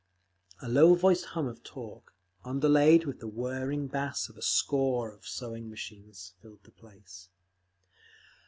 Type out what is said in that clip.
A low voiced hum of talk, underlaid with the whirring bass of a score of sewing machines, filled the place.